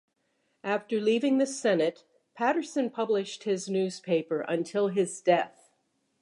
After leaving the Senate, Patterson published his newspaper until his death.